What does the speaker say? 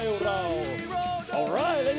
มีความรู้สึกว่า